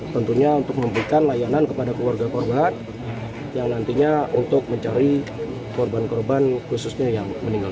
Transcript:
tentunya untuk memberikan layanan kepada keluarga korban yang nantinya untuk mencari korban korban khususnya yang meninggal